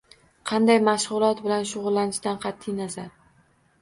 Qanday mashg‘ulot bilan shug‘ullanishidan qatʼiy nazar